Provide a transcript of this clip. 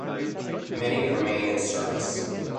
Many remain in service.